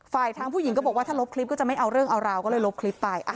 ทางผู้หญิงก็บอกว่าถ้าลบคลิปก็จะไม่เอาเรื่องเอาราวก็เลยลบคลิปไป